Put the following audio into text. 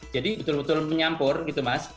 jadi betul betul menyampur gitu mas